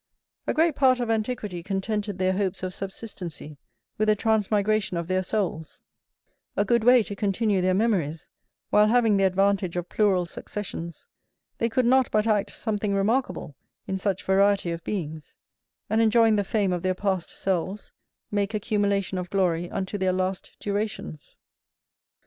A great part of antiquity contented their hopes of subsistency with a transmigration of their souls, a good way to continue their memories, while having the advantage of plural successions, they could not but act something remarkable in such variety of beings, and enjoying the fame of their passed selves, make accumulation of glory unto their last durations.